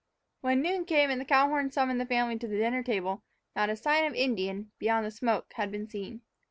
When noon came and the cow horn summoned the family to the dinner table, not a sign of an Indian, beyond the smoke, had been seen.